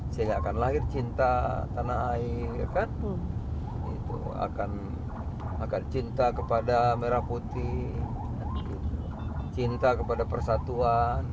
sehingga akan lahir cinta tanah air itu akan cinta kepada merah putih cinta kepada persatuan